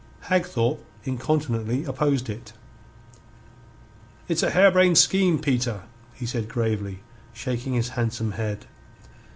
Hagthorpe incontinently opposed it. "It's a harebrained scheme, Peter," he said gravely, shaking his handsome head.